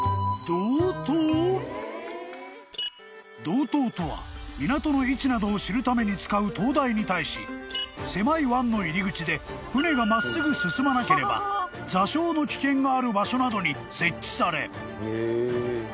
［導灯とは港の位置などを知るために使う灯台に対し狭い湾の入り口で船が真っすぐ進まなければ座礁の危険がある場所などに設置され］